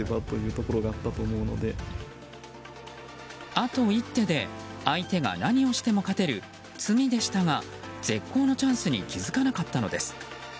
あと１手で相手が何をしても勝てる詰みでしたが絶好のチャンスに気付かなかったのです。